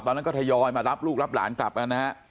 ตอนนั้นก็ทยอยมารับลูกรับหลานกลับกันนะฮะ